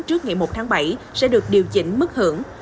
trước ngày một tháng bảy sẽ được điều chỉnh mức hưởng